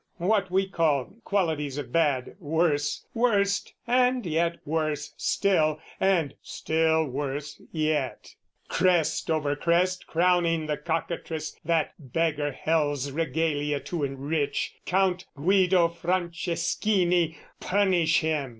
what we call qualities of bad, "Worse, worst, and yet worse still, and still worse yet; "Crest over crest crowning the cockatrice, "That beggar hell's regalia to enrich "Count Guido Franceschini: punish him!"